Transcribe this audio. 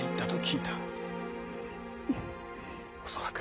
恐らく。